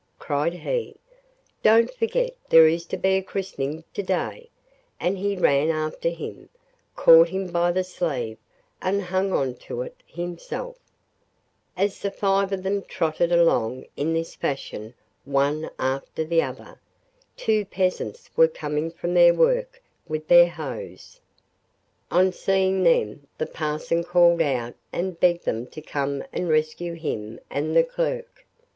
cried he; 'don't forget there is to be a christening to day;' and he ran after him, caught him by the sleeve, and hung on to it himself: As the five of them trotted along in this fashion one after the other, two peasants were coming from their work with their hoes. On seeing them the parson called out and begged them to come and rescue him and the clerk.